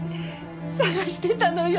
捜してたのよ。